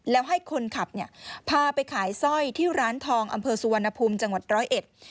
แล้วให้คนขับเนี่ยพาไปขายสร้อยที่ร้านทองอำเภอสุวรรณภูมิจังหวัดร้อยเอ็ด